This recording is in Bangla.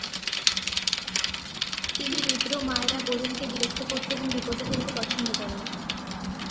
তিনি রুদ্র-মায়রা-বরুণকে বিরক্ত করতে এবং বিপদে ফেলতে পছন্দ করেন।